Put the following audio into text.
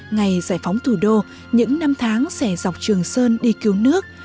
ngày giải phóng thủ đô những năm tháng xẻ dọc trường sơn đi cứu nước